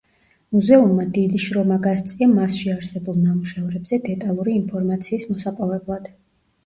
მუზეუმმა დიდი შრომა გასწია მასში არსებულ ნამუშევრებზე დეტალური ინფორმაციის მოსაპოვებლად.